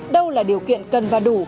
đâu là điều kiện cần và đủ